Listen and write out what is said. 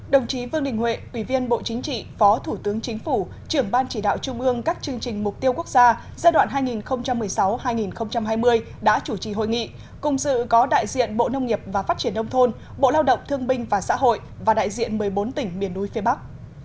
đồng chí vương đình huệ ủy viên bộ chính trị phó thủ tướng chính phủ trưởng ban chỉ đạo trung ương các chương trình mục tiêu quốc gia giai đoạn hai nghìn một mươi sáu hai nghìn hai mươi đã chủ trì hội nghị cùng dự có đại diện bộ nông nghiệp và phát triển nông thôn bộ lao động thương binh và xã hội và đại diện một mươi bốn tỉnh miền núi phía bắc